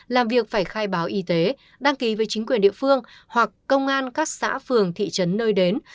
làm việc phải khai báo y tế đăng ký với chính quyền địa phương hoặc công an các xã phường thị trấn nơi đến